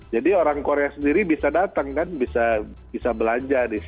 jadi orang korea sendiri bisa datang kan bisa belanja di sini